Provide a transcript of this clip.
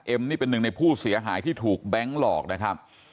นี่เป็นหนึ่งในผู้เสียหายที่ถูกแบงค์หลอกนะครับ